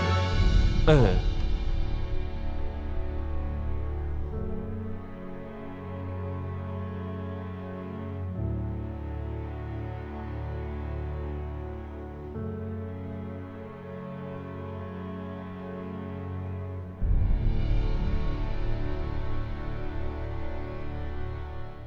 โปรดติดตามตอนต่อไป